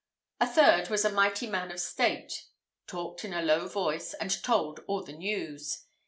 A third was a mighty man of state, talked in a low voice, and told all the news.